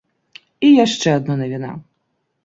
І яшчэ адна навіна!